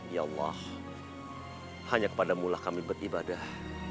ya allah hanya kepadamulah kami beribadah